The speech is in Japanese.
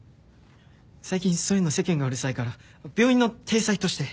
最近そういうの世間がうるさいから病院の体裁として。